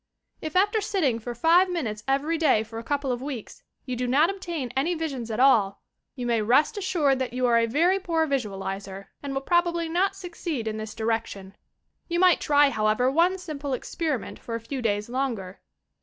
If, after sitting for five minutes every day for a couple CRYSTAL GAZING 153 of weeks, you do not obtain any visions at all, you may rest assured that you are a very poor visualizer, and will probably not succeed in this direction. Tou might try, however, one simple experiment for a few days longer.